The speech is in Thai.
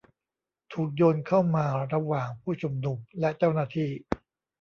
ถูกโยนเข้ามาระหว่างผู้ชุมนุมและเจ้าหน้าที่